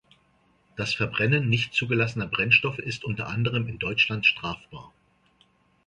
Das Verbrennen nicht zugelassener Brennstoffe ist unter anderem in Deutschland strafbar.